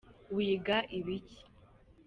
Wiga ibiki?